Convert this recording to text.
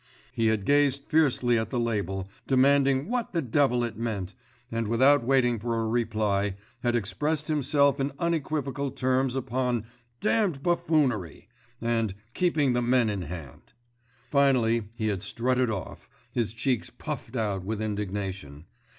He had gazed fiercely at the label, demanding what the devil it meant, and without waiting for a reply, had expressed himself in unequivocal terms upon "damned buffoonery" and "keeping the men in hand." Finally he had strutted off, his cheeks puffed out with indignation.